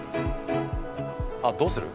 あっどうする？